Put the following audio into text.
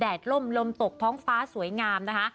ดล่มลมตกท้องฟ้าสวยงามนะคะ